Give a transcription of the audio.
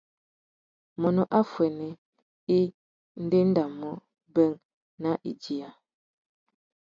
Mônô affuênê i ndéndamú being nà idiya.